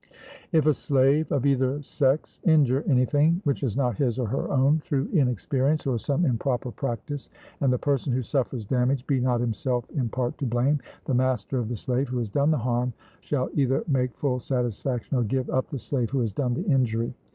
If a slave of either sex injure anything, which is not his or her own, through inexperience, or some improper practice, and the person who suffers damage be not himself in part to blame, the master of the slave who has done the harm shall either make full satisfaction, or give up the slave who has done the injury.